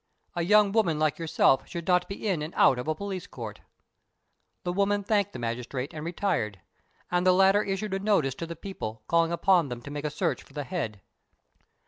A young woman like yourself should not be in and out of a police court." The woman thanked the magistrate and retired; and the latter issued a notice to the people, calling upon them to make a search for the head.